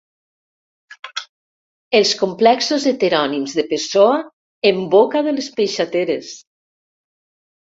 Els complexos heterònims de Pessoa en boca de les peixateres!